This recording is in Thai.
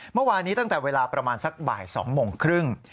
เมื่อวานี้ตั้งแต่เวลาประมาณสักบ่าย๒โมงครึ่ง